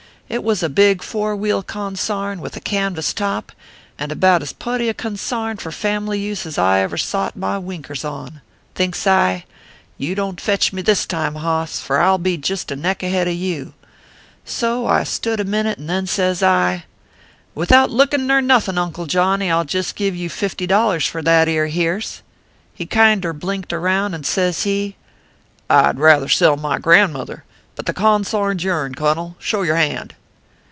It war a big four wheel consarn, with a canvas top, and about as putty a consarn for family use as ever I sot my winkers on. Thinks I :" You don t fetch me this time, hoss ; for I ll be jist a neck ahead of you !" So I stood a minit, and then says 1 :" Without lookiu nor nuthin , Uncle Johnny, I ll jest give you $50 for that ere hearse/ " He kinder blinked around, and says he :"( I d rather sell my grandmother ; but the con sarn s yourn, cunnel. Show yer hand.